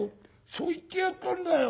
そう言ってやったんだよ。